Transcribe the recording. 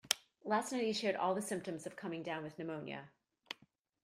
Last night he showed all the symptoms of coming down with pneumonia.